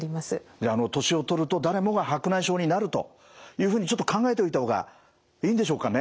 じゃああの年を取ると誰もが白内障になるというふうにちょっと考えておいた方がいいんでしょうかね？